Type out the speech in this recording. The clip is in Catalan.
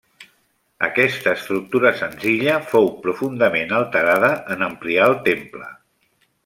Aquesta estructura senzilla fou profundament alterada en ampliar el temple.